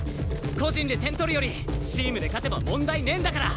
個人で点取るよりチームで勝てば問題ねえんだから！